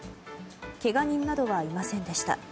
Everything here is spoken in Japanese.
けが人などはいませんでした。